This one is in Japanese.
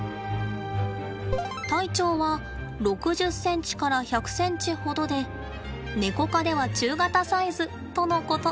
体長は６０ｃｍから１００ｃｍほどでネコ科では中型サイズとのこと。